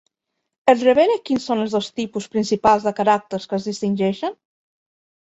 Et revele quins són els dos tipus principals de caràcters que es distingeixen?